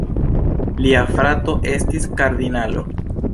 Lia frato estis kardinalo.